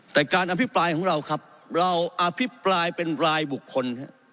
แต่การอภิปรายของเราครับเราอภิปรายเป็นรายบุคคล